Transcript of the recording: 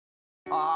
あ！